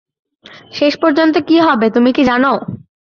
শেষ পর্যন্ত কী হবে তুমি কি জান?